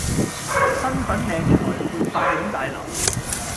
新粉嶺裁判法院大樓